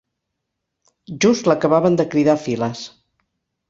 Just l'acabaven de cridar a files.